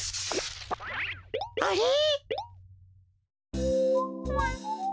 あれ！？